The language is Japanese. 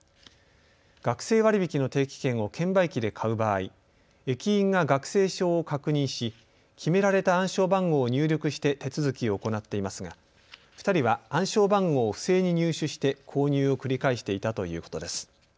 学生割引の定期券を券売機で買う場合、駅員が学生証を確認し決められた暗証番号を入力して手続きを行っていますが２人は暗証番号を不正に入手して購入を繰り返していたということです。